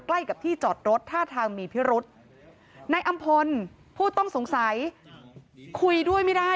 ใกล้กับที่จอดรถท่าทางมีพิรุษนายอำพลผู้ต้องสงสัยคุยด้วยไม่ได้